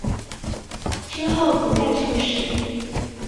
之后不再出仕。